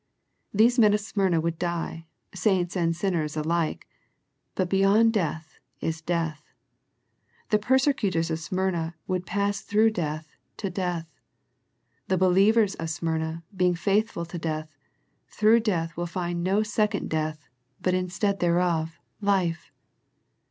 These men of Smyrna will die, saints and sinners alike, but beyond death is death. The persecutors of Smyrna will pass through death to death. The believers of Smyrna being faithful to death, through death will find no second death, but instead thereof life.